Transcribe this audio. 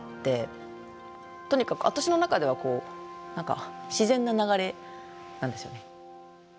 とにかく私の中では何か自然な流れなんですよね。